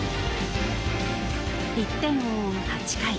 １点を追う８回。